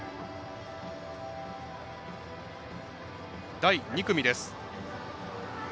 第２組です。